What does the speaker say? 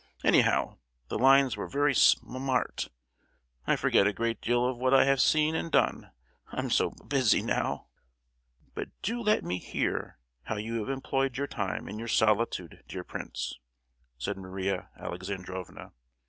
Anyhow, the lines were very sm—art. I forget a good deal of what I have seen and done. I'm so b—busy now!" "But do let me hear how you have employed your time in your solitude, dear prince," said Maria Alexandrovna.